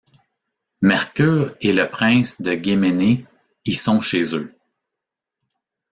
Mercure et le prince de Guéménée y sont chez eux.